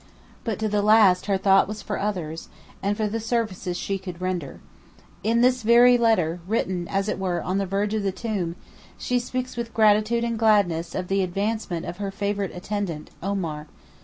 'But to the last her thought was for others, and for the services she could render. In this very letter, written, as it were, on the verge of the tomb, she speaks with gratitude and gladness of the advancement of her favourite attendant, Omar.